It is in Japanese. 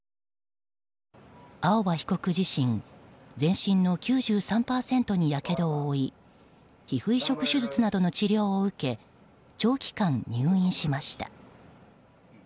青葉被告自身全身の９３％にやけどを負い皮膚移植手術などに治療を受け長期間、入院しました。